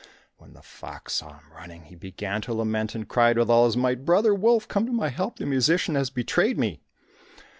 When the fox saw him running, he began to lament, and cried with all his might, "Brother wolf, come to my help, the musician has betrayed me!"